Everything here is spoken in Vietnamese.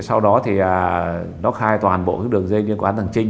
sau đó thì nó khai toàn bộ đường dây nguyên quán thằng trinh